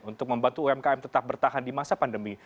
untuk membantu umkm tetap bertahan di masa pandemi